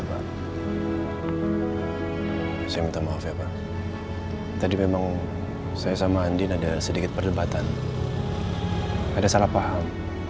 saya minta maaf ya pak tadi memang saya sama andin ada sedikit perdebatan ada salah paham